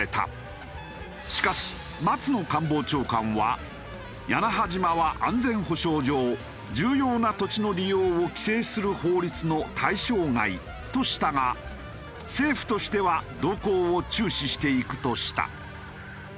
しかし松野官房長官は屋那覇島は安全保障上重要な土地の利用を規制する法律の対象外としたが政府としては動向を注視していくとした。